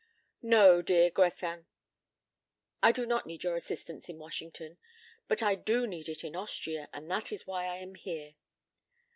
"No, dear Gräfin. I do not need your assistance in Washington. But I do need it in Austria, and that is why I am here."